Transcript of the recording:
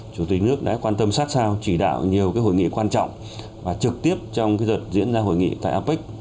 chủ tịch nước đã quan tâm sát sao chỉ đạo nhiều hội nghị quan trọng và trực tiếp trong đợt diễn ra hội nghị tại apec